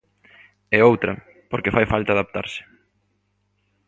E outra, porque fai falta adaptarse.